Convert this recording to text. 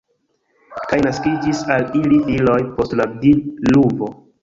Kaj naskiĝis al ili filoj post la diluvo.